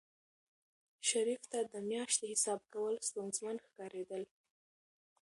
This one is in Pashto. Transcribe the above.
شریف ته د میاشتې حساب کول ستونزمن ښکارېدل.